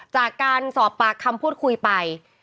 จากการสอบปากคำพูดคุยไป